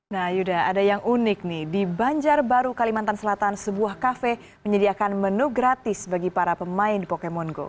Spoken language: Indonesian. nah yuda ada yang unik nih di banjarbaru kalimantan selatan sebuah kafe menyediakan menu gratis bagi para pemain pokemon go